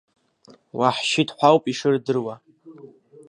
Уаҳшьит ҳәа ауп ишырдыруа.